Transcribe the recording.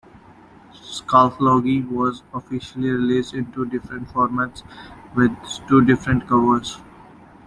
"Scatology" was officialy released in two different formats with two different covers.